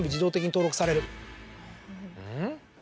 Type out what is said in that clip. うん？